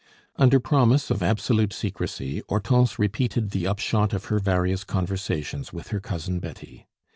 Under promise of absolute secrecy, Hortense repeated the upshot of her various conversations with her Cousin Betty.